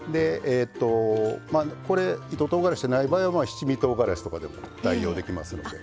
これ糸とうがらしない場合は七味とうがらしとかでも代用できますのでぜひ。